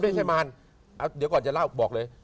ไม่ใช่มารเดี๋ยวก่อนจะเล่าบอกเลย